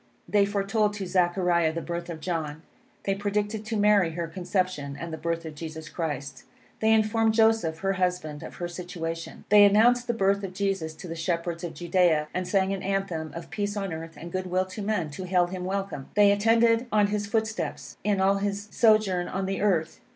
They foretold to Zechariah the birth of John. They predicted to Mary her conception, and the birth of Jesus Christ. They informed Joseph, her husband, of her situation. They announced the birth of Jesus to the shepherds of Judea, and sang an anthem of peace on earth and good will to man, to hail him welcome. They attended on his footsteps, in all his sojourn on the earth.